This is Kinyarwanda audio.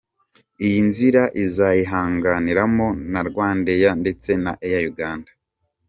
Iyi nzira izayihanganiramo na Rwandair ndetse na Air Uganda.